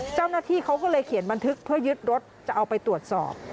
เจ้าหน้าที่เขาก็เลยเขียนบันทึกเพื่อยึดรถจะเอาไปตรวจสอบ